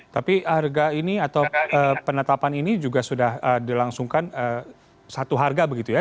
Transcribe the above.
tapi harga ini atau penetapan ini juga sudah dilangsungkan satu harga begitu ya